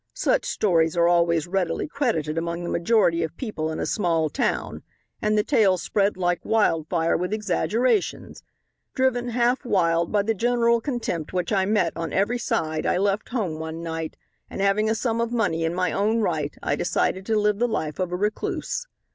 Such stories are always readily credited among the majority of people in a small town and the tale spread like wildfire with exaggerations. Driven half wild by the general contempt which I met on every side I left home one night, and having a sum of money in my own right I decided to live the life of a recluse.